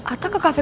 atau ke kafe